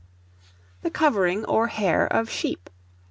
The covering or hair of sheep.